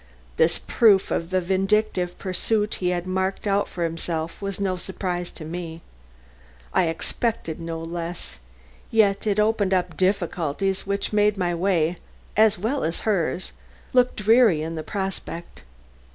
This proof of the vindictive pursuit he had marked out for himself was no surprise to me. I expected no less, yet it opened up difficulties which made my way, as well as hers, look dreary in the prospect.